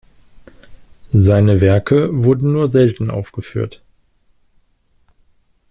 Seine Werke werden nur selten aufgeführt.